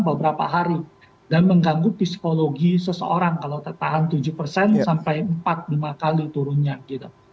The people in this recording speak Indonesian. beberapa hari dan mengganggu psikologi seseorang kalau tertahan tujuh persen sampai empat lima kali turunnya gitu